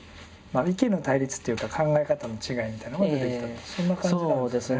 意見の対立というか考え方の違いみたいなのが出てきたってそんな感じなんですかね。